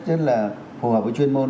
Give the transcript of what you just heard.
rất là phù hợp với chuyên môn